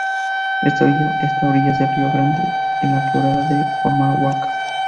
Esta villa está a orillas del río Grande, en la Quebrada de Humahuaca.